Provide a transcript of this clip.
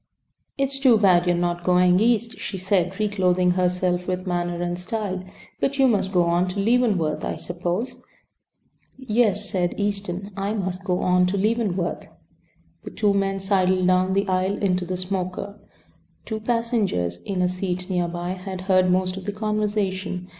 "It's too bad you are not going East," she said, reclothing herself with manner and style. "But you must go on to Leavenworth, I suppose?" "Yes," said Easton, "I must go on to Leavenworth." The two men sidled down the aisle into the smoker. The two passengers in a seat near by had heard most of the conversation.